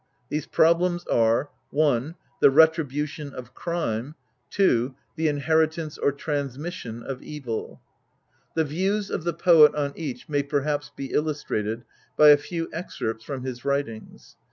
These problems are : I. The Retribution of Crime. . II. The Inheritance or Transmission of Evil. The views of the poet on each may perhaps be illustrated by a few excerpts from his writings.